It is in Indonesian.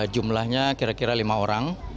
jumlahnya kira kira lima orang